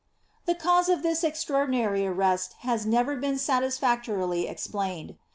^ The cause of this extraordinary arrest has never been satisfactorily explained.